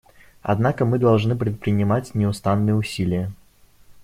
Однако мы должны предпринимать неустанные усилия.